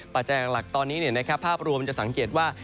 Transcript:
ปัจจัยหลักตอนนี้ภาพรวมจะสังเกตว่า